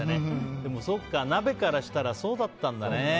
でも、鍋からしたらそうだったんだね。